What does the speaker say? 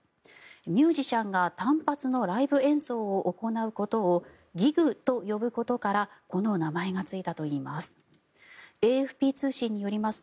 ミュージシャンが単発のライブ演奏を行うことをギグと呼ぶことからこの名前がついたといいます。